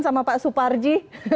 sama pak suparji